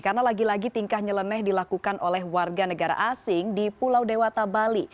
karena lagi lagi tingkah nyeleneh dilakukan oleh warga negara asing di pulau dewata bali